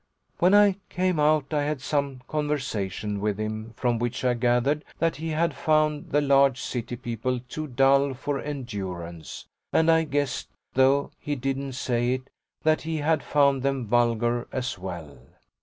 When I came out I had some conversation with him from which I gathered that he had found the large City people too dull for endurance, and I guessed, though he didn't say it, that he had found them vulgar as well.